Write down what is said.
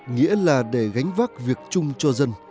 nghĩa là để gánh vác việc chung cho dân